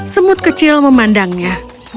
semut kecil memandangnya